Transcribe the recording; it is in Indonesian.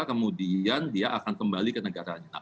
kemudian dia akan kembali ke negaranya